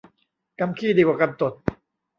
กำขี้ดีกว่ากำตด